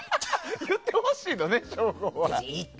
言ってほしいのね、省吾は。